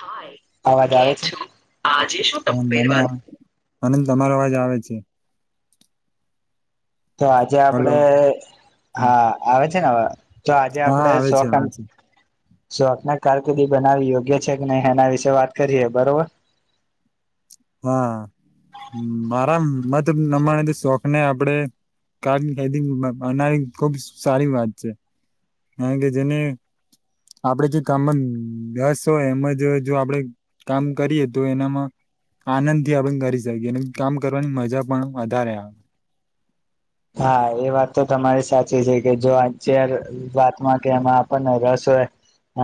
હાય અવાજ આવે છે હ મને મને તમારો અવાજ આવે છે તો આજે હલો આપડે હમ. હા આવે છે ને હવે? તો આજે હા આપડે આવે સો છે કામ આવે છે શોક ને કારકિર્દી બનાવી યોગ્ય છે કે નહી હેના વિશેે વાત કરીએ બરોબર? હા, મારા મત નમણી શોખ ને આપડે કારહદી બનાવી ખુબ સારી વાત છે. [unintelligible] કે જેને આપડે જે કામમાં દસ હોય, એમાં જ જો આપડે કામ કરીએ તો એનામાં આનંદથી આપણે કરી શકીએ અને કામ કરવાની મજા પણ વધારે આવે. હા એ વાત તો તમારી સાચી છે કે જો અચ્યાર વાતમાં કે એમાં આપણને રસ હોય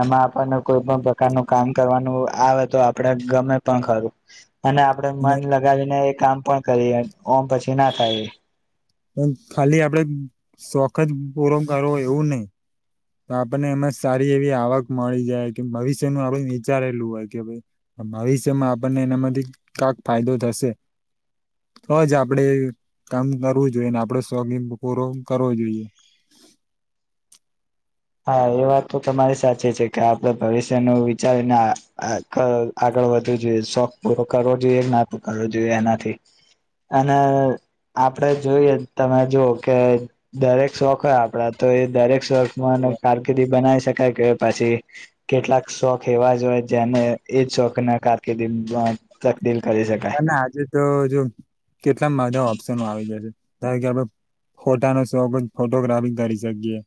એમાં આપણને કોઈ પણ પ્રકારનું કામ કરવાનું આવે તો આપડે ગમે પણ ખરું. અને આપણેે અને મન લગાવીને એ કામ પણ કરીએ ઓમ પછી ના થાય એ. પણ ખાલી આપડે શોખ જ પૂરો કરવો એવું નહી. તો આપણને એમાં સારી એવી આવક મળી જાય કે ભવિષ્યનું આપડું વિચારેલું હોય કે ભાઈ ભવિષ્યમાં આપણને એનામાંથી કાક ફાયદો થશે. તોજ આપડે કામ કરવું જોઈએ ને આપડો સોગીંગ પૂરો કરવો જોઈએ. [inaudible] હા એ વાત તો તમારી સાચી છે કે આપડે ભવિષ્યનું વિચારીને આ આગ આગ ળ વધવું જોઈએ શોખ પૂરો કરવો જોઈએ ના પ કરવો જોઈએ એનાથી. અને આપડે જોઈએ તમે જોઓ કે દરેક શોખ હોય આપડા, તો એ દરેક શોક માન કારકિર્દી બનાવી શકાય કે પછી કેટલાક શોખ એવા જ હોય જેને એજ શોખ ના કારકિર્દી બ કર ના ના આજે તો જો કેટલા મધા ઓપ્શનો આવી ગ્યા છે ધારે કે આપડો ફોટા નો શોખ હોય તો ફોટોગ્રાફી કરી શકીએ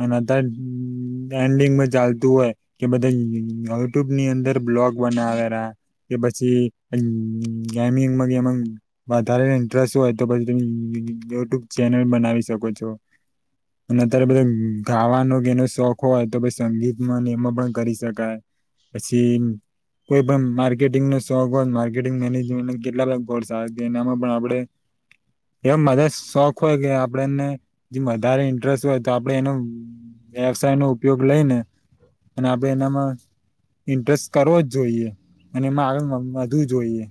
અને તડ એન્ડિંગ માં જા હાલતું હોય કે બધા યુટ્યુબ ની અંદર બ્લોગ બનાવેરા કે પછી ગેમિંગમાં ગેમાં વધારે ઇન્ટરેસ્ટ હોય તો પછીની યુટ્યુબ ચેનલ બના વી શકો છો. અને અત્યારે બધ ગાવાનો કે એનો શોખ હોય તો પહિ સંગીતમાં ને એમાં પણ કરી શકાય. પછી, કોઈ પણ માર્કેટિંગ નો શોખ હોય મા ર્કેટિંગ મેનેજમેન્ટ ને કેટલા ગોડ્સ આવે તે એનામાં પણ આપણે એ મજા શોખ હોય કે આપણેને જે વધારે ઇન્ટરેસ્ટ હોય તો આપડે એનો વ્યવસાય નો ઉપયોગ લઈ ને અને આપડે એનામાં ઇન્ટરેસ્ટ કરવો જ જોઈએ, અને એમાં આગમમ વધું જોઈએ.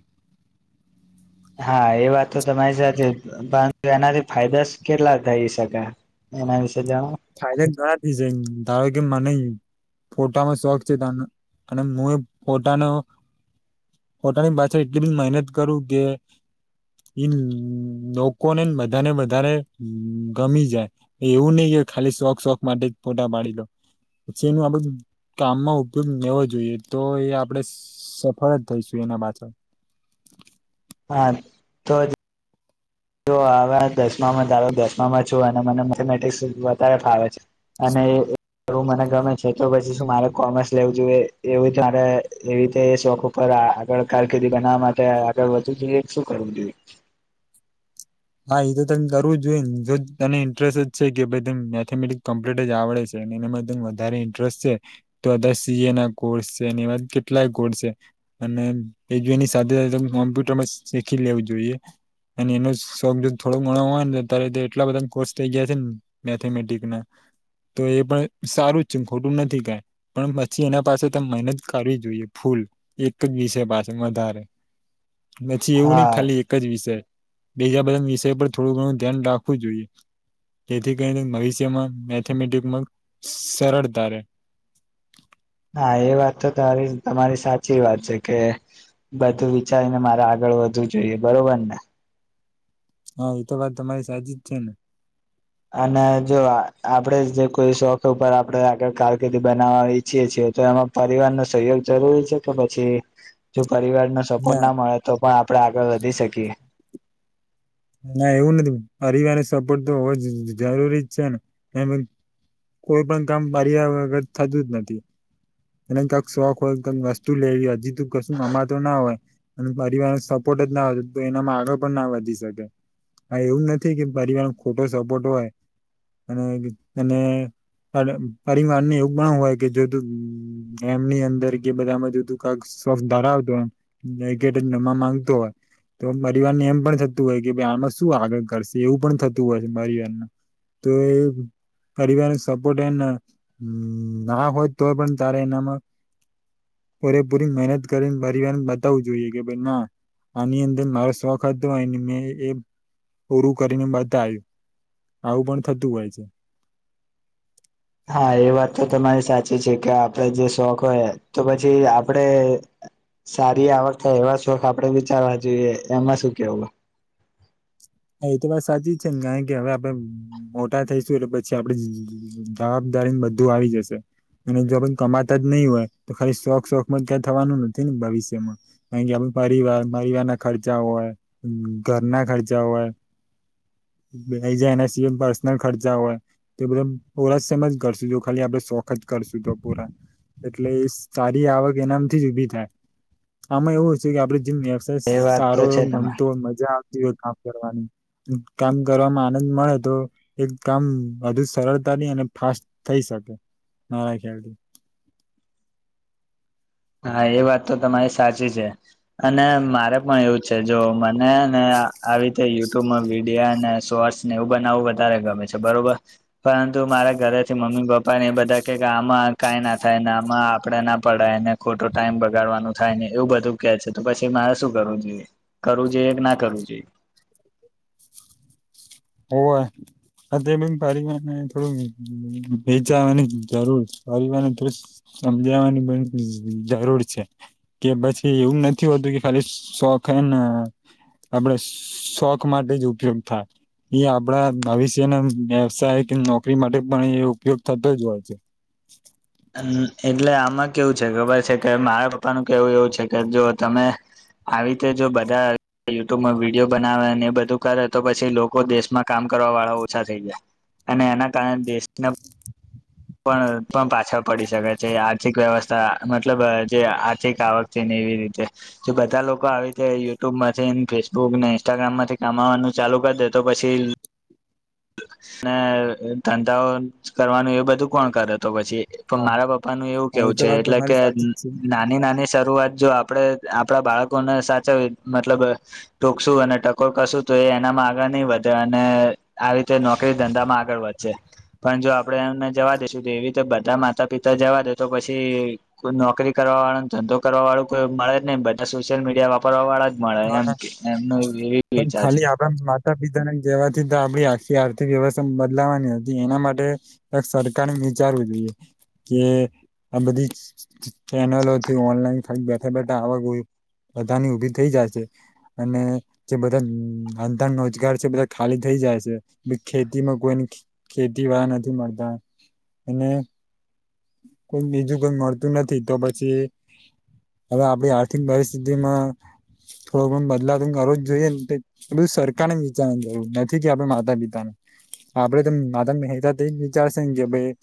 હા એ વાત તો તમારી સાચી, પણ તો એનાથી ફાયદાસ કેટલા થઈ શકે એમાં યુશ? ફાયદા ગણા થઈ સકે ધારો કે મને ફોટામાં શોખ છે તાનો અને મું એ ફોટાનો પોટાની પાછળ એટલી બધી મેહનત કરું કે લોકોને બધાને વધારે ગમી જાય. એવું નહી કે ખાલી શોખ શોખ માટે જ ફોટા પાડી દઉ. પછી એનું આ બધૂ કામમાં ઉપયોગ લેવો જોઈએ તો એ આપણેે સફળ જ થઈશું એના પાછળ. હા, તો જ તો હવે દસમામાં ધારોક દસમામાં છું અને મને મેથેમેટિક્સ વધારે ફાવે છે. અને એરુ મને ગમે છે તો પ છી શું મારે કોમર્સ લેવું જોઈએ એવી ત્યારે એવી રીતે શોક ઉપર આગળ કારકિર્દી બનાવામાં આપડે આગળ વધુ જોયે ક શું કરુંવુ જોઈએ? હા એ તો તને કરવું જ જોઈએ ને જો તને ઇન્ટરેસ્ટ જ છે કે ભાઈ ત મેથેમેટિકસ કમ્પ્લલીટ જ આવડે છે, ને એનામાં તને વધારે ઇન્ટરેસ્ટ છે, તો તે સી એ ના કોર્સ છે, ને એવા કેટલાય કોર્સ છે. અને તે જની સાથે સાથે કોમ્પ્યુટરમાં શીખી લેવું જોઈએ અને એનો સ તો થોડો ઘણો હોય ને અ્યારે એટલા બધા કોર્સ થઈ ગયા છે ને મેથેમેટિકસ ના તો એ પણ સારું જ છે ખોટું નથી કાઈ પણ પછી એના પાસે ત મહેનત કરવી જોઈએ ફૂલ લ એક જ વિષય પાસે વધારે [inaudible] પછી એવું નહિ હા ખાલી એક જ વિષય બીજા બધા વિષય પર થોડું ઘણું ધ્યાન રાખવું જોઈએ. જેથી કરીને ભવિષ્યમાં મેથેમેટિકમાં સરળતા રહે. [inaudible] હા એ વાત તો તારી તમારી સાચી વાત છે કે બધું વિચારીને મારા આગળ આગળ વધવું જોઈએ બરોબર ને હા એતો વાત તમારી સાચી જ છે ને અને જો આપડે જે કોઈ શોખ ઉપર આપડે આગળ કારકિર્દી બનાવવા ઈચ્છીએ છીએ એમાં પરિવાર નો સહયોગ જરૂરી છે કે પછી પરિવાર ન સપોર્ટ ના મળે તો પણ આપણે આગળ વધી શકીએ. ના એવું નથી પરિવાર્ય સપોર્ટ તો હોવ જ જરૂરી જ છે ને એ કોઈ પણ કામ પરિર્યા વગર થતું જ નથી એને કંક શોખ હોય કઈક વસ્તુ લેવી હોય હજી તુ કશું કમાતો ના હોય અને પરિવાર ન સપોર્ટ ના હય એનામાં આગળ પણ ના વધી શકે હા એવું નથી કે પરિવાર ખોટો સપોર્ટ હોય અને અને પડ‌ પાડીવાર ને એવું પણ હોય કે જો તુ એમની અંદર કે બધા આમાં જધું કાક સ ધરાવતો હોયટ જ નમા માંગતો હોય તો પરિવારને એમ પણ થતું હોય કે ભાઈ આમાં શું આગળ કરશે એવું પણ થતું હોય પરિવારન તો એ પરિવાર સપોર્ટ એ ન ના હોત તોય પણ તારે એનામાં પૂરેપૂરી મહેનત કરીને પરવારને બતાવવું જોઈએ કે ભાઈ ના આની અંદર મારો શોખ હતો હો મેં એ પૂરું કરીને બતાવ્યું. આવું પણ થતું હોય છે. [inaudible] હા એ વાત તો તમારી સાચી છે કે આપડે જે શોખ હોય તો પછી આપડે સારી આવક એવા શોખ આપડે વિચારવા જોઈએ એમાં શું કેવું હા એ તો વાત સાચી છે ને કઈ કે હવે આપડે મોટા થઈશું એટલે પછી આપડે [unintelligible] તારીને બધું આવી જશે. અને જો કમાતા જ નહી હોય તો ખાલી શોખ શોખ માં ક્યાં થવાનું નથી ને ભવિષ્યમાં કારણ કે આપ પરિવાર પરિવારના ખર્ચા હોય, ઘરના ખર્ચા હોય [inaudible] ઈ જાય એના સિવાય પર્સનલ ખર્ચા હોય તો બધા પુરા સેમજ કરશું જો ખાલી આપડે શોખ જ કરશું તો પૂરા એટલે એ સારી આવક એનામથી જ ઊભી થાય. આમાં એવુંય કે આપડે જેમ વ્યવસાય એ વાત તો સારો હો છે તમે ગમતો હોય મજા આવતી હોય કામ કરવાવામાં આનંદ મળે તો એક કામ વધુ સરળતા ની અને ફાસ થઈ શકે મારા ખયલડી [inaudible] હા એ વાત તો તમારી સાચી છે અને મારે પણ એવું છે જો નયા નયા આવી રીતે યુજ ત વિડિયા અનેને સોર્ટસને એવું બનાવવું વધારે ગમે છે બરોબર પરંતુ મારા ઘરેછ મમ્મી મ્મી પપ્પા ને એ બધા કે કે આમાં કઈ ના થાય ને આમાં આપે ના પડાય ને ખોટો ટાઈમ બગાડવાનું થાય ને એવું બધું કે છે તો પછી મારે શું કરવું જોઈએ કરવું જોઈએ કે ના કરવું જોઈએ. [inaudible] હોવે હ તે ઈમ નમ પણ પરિવારને થોડું વેચાવાની જરૂર પરિવારને થોડ સમજાવવાની બન જરૂર છે કે પછી એવું નથી હોતું કે ખાલી શોખ એ આપડે શોખ, માટે જ ઉપયોગ થાય. એ આપડા ભવિષ્યના વ્યવસાય કે નોકરી માટે પણ એ ઉપયોગ થતો, જ હોય છે. હમ્મ એટલે આમાં કેવું છે, ખબર છે, કે મારા પપ્પાનું કેવું એવું છે. કે જો તમે આવી રીતે, જો બધા યુટ્યુબમા, વિડીિયો બનાવેને એ બધું કરે તો પછી લોકો દેશમા કામ કરવા વાળા ઓછા થઈ, ગયા. અને એના, કારણે દેશને પણ પણ પાછા પડી શકે છે, આર્થિક વ્યવસ્થા મતલબ જે આર્થિક આવક છેને, એવી રીતે બધા લોકો આવી રીતે યુટ્યુબ માંથી, ફેસબુક ને, ઇન્સ્ટાગ્રામ માંથી કમાવાનું ચાલુ કરી દે તો પછી ધંધાઓ કરવાનુ, એ બધું કોણ કરે તો પછી પણ મારા પપ્પાનું એવું હા એ કેવું તો છે, વાત એટલે કે તમારી સાચી જ નાની નાની શરૂઆત જો આપણે આપડા બાળકોને, સાચા મતલબ ટોકસું અને ટકોર કરશુ, તો એ એનામાં આગળ નહી, વધે અને આ રીતે નો ધંધામાં આગળ વધશે પણ જો આપણેે એમને જવા દઈશુ, તો એવી રિતે બધા માતા પિતા જવા દે તો પછી કોઈ નોકરી, કરવા વાળોને ધંધો કરવા વાળો કોઈ મળે જ નહી, બધા સોશયલ મીડિયા, વાપરવા વાળા જ મળે એમ એમનો એવી પણ વિચાર છે ખાલી, આપે માતા પિતાને જવાથી. આપ આખી આર્થિક વ્યવસ્થા બદલાવાની હતી, એના માટે સરકાર વિચારવું જોઈએ. કે આ બધી ચેનલોથી ઓનલાઈનથ બેઠા, બેઠા આવક ગયુ બધાની ઊભી થઈ, જાયશે અને જે બધા ધંધા રોજગાર છે, બધા ખાલી થઈ જાય છે. ખેતીમાં કોઈની ખેતી વા નથી, મળતા અને કોઈ બીજુ, કોઈ મળતું નથી. તો પછી હવે, આપડી આર્થિક પરિસ્થિતિમા થોડો, ઘણ બદલાવ કરવો જ જોઈએ, ને બધુ સરકારને વિચાર જવું નથી. કે આપડે માતા પિતાને આપડે, તો માતા મહેતા એજ વિચારશે ને કે ભાઈ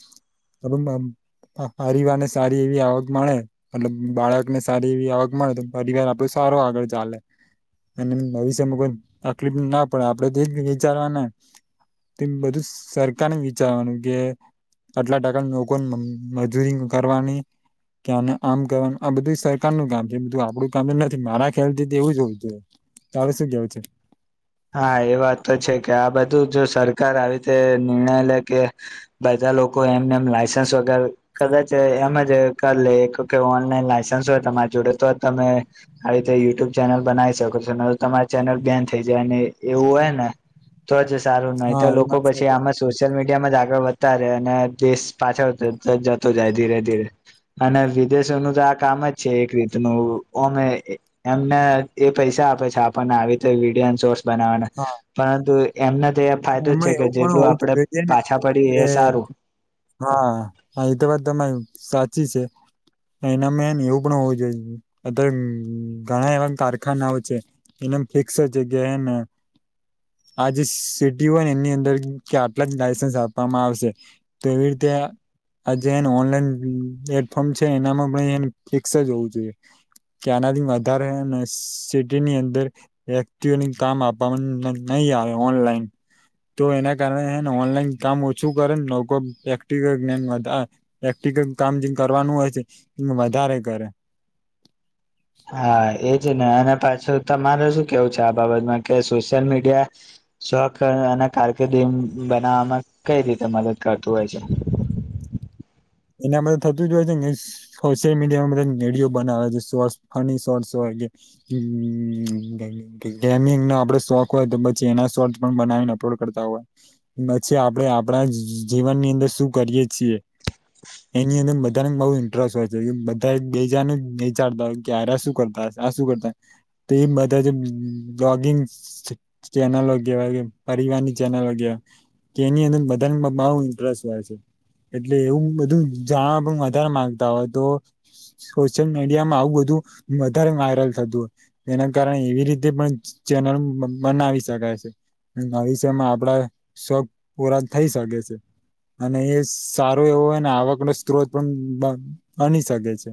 પરિવારને સારી, એવી આવક મળે મલબ બાળકને સારી એવી, આવક મળે તો પરિવાર આપડ સારો, આગળ ચાલે અને ભવિષ્યમા કોઈ તકલીફના પડે, આપડે તોજ વિચારવાના તે બધું સરકારને વિચારવાનુ કે આટલા ટકાના લોકો મમ મજૂરી, કરવાની કેને આમ કરવાનું આ બધું સરકારનું કામ છે. બધું આપડું કામ નથી મારા ખ્યાલથી એવું જ હોવુ, જોઈએ. તો હવે, શું કેવું છે. હા, એ વાત તો છે. કે આ બધું જો સરકાર આવી રીતે નિર્ણય લે કે બધા બધા લોકો, એમને એમ લાસન્સ વગર કદાચ એમ જ કરી લે ઓનલાઈન લાયસન્સ તમારી જોડે તો તમે આ રીતે યુટ્યુબ ચેનલ બનાવી શકો છો, ન તમારી ચેનલ બેન થઈ. એવું હોય, ને તો જ સારું ન ય તો હા એ લોકો વાત પછી સાચી આમાં સોશિયલ મીડિયામાં જ આગળ વધ અને દેશ પાછળ જતો જાય, ધીરે ધીરે અને વિદેશ નુ તો આ કામ જ છે, એક રીત ઓમે એમને એ પૈસા આપે છે, આપણને આવી તો વિડીયા બનાવાના, હા પરંતુ એમને તો એ અને ફાયદો જ છે, એમાં કે એવું પણ જેટલું હોવું આપડે જોઈએ ને પાછા પડી કે એ સારુ હા, એ તો વાત તમારી સાચી છે. એના મે ને એવું પણ હોવુ, જોઈએ, અત્યારે ઘણા એવા કારખાનાઓ છે. ફિકસ જગ્યા, એ ને આજે હો, એની અંદર કે આટલા જ લાયસન્સ આપવામાં આવશે, તો એવી રીતે આ જે એને ઓનલાઈન પ્લેટફોર્મ છે. એનામાં પણ ફિક્સ જ હોવુ, જોઈએ. કયાનાથી વધારે સિટીની, અદર વ્યક્તિઓને કામ આપવાવામાં નહી. આવે ઓનલાઈન [unintelligible] [inaudible] તો એના કારણેને ઓનલાઈન કામ ઓછું કરેને લોકો એક્ટિક્ઞ ને વઘારે કામ જેમ કરવાનું હોય છે એ વધારે કરે [unintelligible] [inaudible] [unintelligible] હા એજ ને અને પાછું તમારે શું કેવું છે આ બાબતમાં કે સોશિયલ મીડિયા શોખ અ અને કારકિર્દી બનાવવામાં કઈ રીતે મદદ કરતું હોય છે. [unintelligible] [inaudible] [unintelligible] એના મા થતું જ હોય છે મિસ સોશિયલ મીડિયા વિડિયો બનાવે છે શોર્ટ, ફની શોર્ટ હો ગેમિંગ ન આપડે શોખ હોય તો પછી એના શોર્ટ પણ બનાવીને કરતા હોય પછી આપડણે આપણા જીવન ની અંદર શું કરીયએ છીએ [inaudible] [inaudible] એની અંદર બધાને બહુ ઇન્ટરેસ્ટ હોય છે કે બધા બેજા ને બેચડતા હોય કે ગયરા સુ કરતા શું કરતા તે બધા જ બગિંગ ચેનલો કે વાએ ચલ [unintelligible] ગ કેની અંદર બધા બ ઇન્ટરેસ્ટ હોય છે એટલે એવું જાણવા પણ વધારે માંગતા હોય તો સોશિયલ મીડિયામાં આવું બધું વધારે વાયરલ થતું હોય એના કારણે એવી રીતે પણ ચેનલ બનાવી શકાય છે ભવિષ્યમાં આપડા શોખ પૂરા થઈ શકે છે અને એ સારો એવો હોયને આવક ન સ્ત્રોત પણ બ બની શકે છે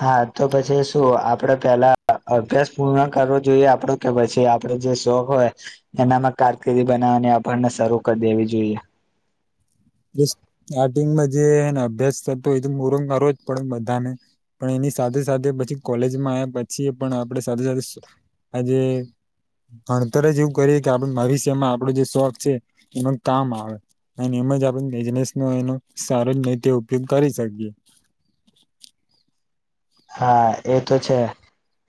હા તો પછી શું આપડે પેલા અભ્યાસ પૂર્ણ કરવો જોઈએ આપડો કે પછી આપડે જે શોખ હોય એનામાં કારકિર્દી બનાવ અને અભરને શરૂ કરી દેવી જોઈએ સ્ટાર્ટિંગમાં જેને અભ્યાસ થતો હોય તો પુરો કરો જ પડે બધાને પણ એની સાથે સાથે પછી કોલેજમાં આવ્યા પછી પણ આપણે સાથે સાથે આજે ભણતર જ એવું કરીએ કે આપડ ભવિષ્યમાં આપડો જે શોખ છે એમાં કામ આવે ન એમે મજા આપ બિઝનેસ નો એનો સારો જ રનીતે ઉપયોગ કરી શકીએ હા એ તો છે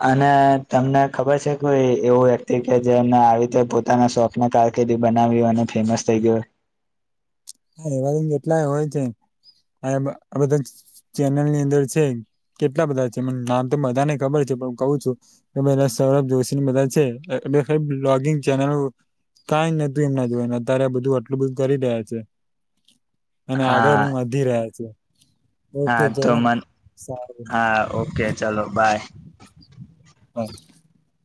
અને તમને ખબર છે કોઈ એવું વ્યક્તિ કે જેને આવી રીતે પોતાના શોક ના કારણે તે રીલ બનાવી હોય અને ફેમસ થઈ ગયો હોય હા એવા કેટલાય હોય છે આ આ બધા ચ ચેનલ ની અંદર છે કેટલા બધા છે નામ તો બધાને ખબર છે કું છું કે પેલા સૌરભ જોશી ને બધા છે્ લોગિંગ ચેનલ કઈ નોતુ એમના જોઈ ને અત્યારે આ બધું આટલું બધું કરી રહ્યા છે અને આગળ હા પણ વધી રહ્યા છે ઓકે હા તો ચલા મન સારું હા ઓકે ચલો બાય [unintelligible] [inaudible]